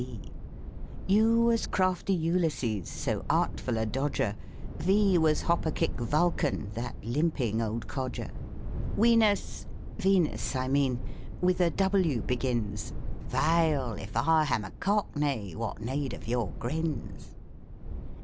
D : U was crafty Ulysses, so artful a dodger, V was hop a kick Vulcan, that limping old codger ; Wenus — Venus I mean — with a W begins, (Veil, if I ha7n a Cockney, wot need of your grins